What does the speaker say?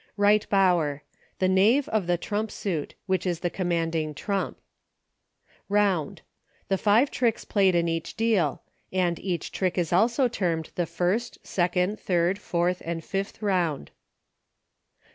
Eight Bower. The Knave of the trump suit, which is the commanding trump. Eound. The five tricks played in each deal — and each trick is also termed the first, second, third, fourth, and fifth round.